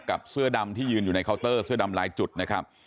เสื้อดำที่ยืนอยู่ในเคาน์เตอร์เสื้อดำลายจุดนะครับ